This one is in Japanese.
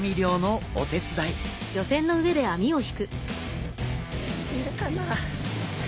いるかなあ？